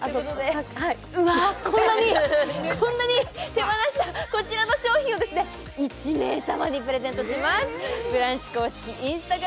うわ、こんなに手放したこちらの商品を１名様にプレゼントします。